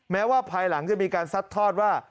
แม้ว่าภายหลังจะมีการซัดทอดว่า